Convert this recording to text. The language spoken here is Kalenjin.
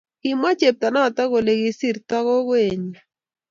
kimwa cheptonoto kole kisirto gogoenyi